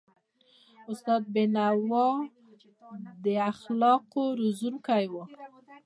استاد بینوا د اخلاقو روزونکی و.